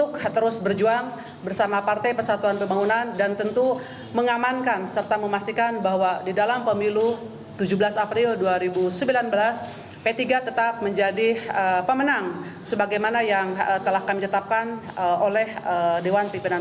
kepada pemerintah saya ingin mengucapkan terima kasih kepada pemerintah pemerintah yang telah menonton